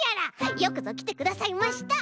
よくぞきてくださいました！